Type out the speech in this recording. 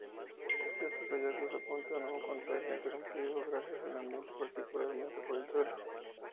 Estos hallazgos apuntan a un contagio ininterrumpido gracias al ambiente, particularmente por el suelo.